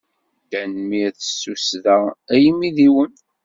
Tanemmirt s tussda a imidiwen!